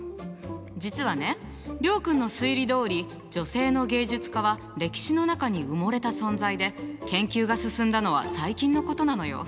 実はね諒君の推理どおり女性の芸術家は歴史の中に埋もれた存在で研究が進んだのは最近のことなのよ。